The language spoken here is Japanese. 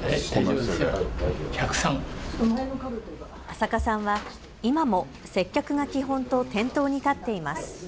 安積さんは今も接客が基本と店頭に立っています。